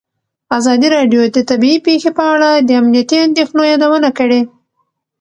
ازادي راډیو د طبیعي پېښې په اړه د امنیتي اندېښنو یادونه کړې.